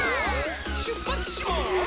しゅっぱつします！